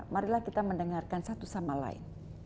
marilah kita mendengarkan satu sama lain